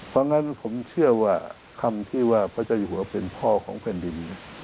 เพราะฉะนั้นผมเชื่อว่าคำที่ว่าพระเจ้าอยู่หัวเป็นพ่อของแผ่นดิน